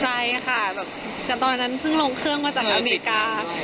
ใช่ค่ะแบบแต่ตอนนั้นเพิ่งลงเครื่องมาจากอเมริกา